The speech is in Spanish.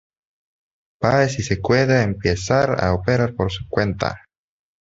Páez se queda y empieza a operar por su cuenta.